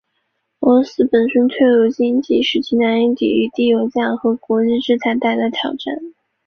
俄罗斯本身脆弱的经济使其难以抵御低油价和国际制裁带来的挑战。